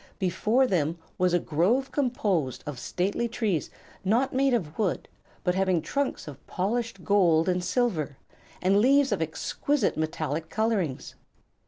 Before them was a grove composed of stately trees not made of wood, but having trunks of polished gold and silver and leaves of exquisite metallic colorings.